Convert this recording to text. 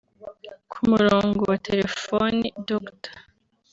ku murongo wa Telefoni Dr